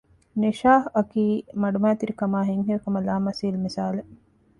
ނިޝާހް އަކީ މަޑުމައިތިރި ކަމާއި ހިތްހެޔޮކަމަށް ލާމަސީލު މިސާލެއް